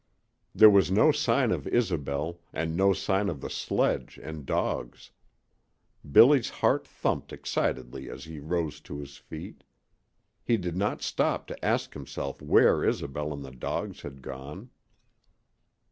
There was no sign of Isobel, and no sign of the sledge and dogs. Billy's heart thumped excitedly as he rose to his feet. He did not stop to ask himself where Isobel and the dogs had gone.